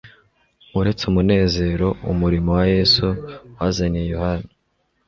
Uretse umunezero umurimo wa Yesu wazaniye Yohana,